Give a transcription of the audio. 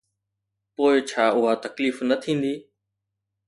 پوءِ ڇا اها تڪليف نه ٿيندي؟